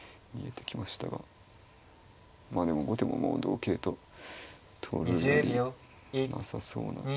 まあでも後手ももう同桂と取るよりなさそうな。